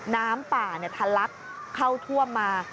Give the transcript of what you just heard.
น้ำป่าทัลลักษณ์เข้าทั่วมา